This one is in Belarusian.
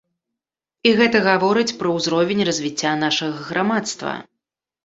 І гэта гаворыць пра ўзровень развіцця нашага грамадства.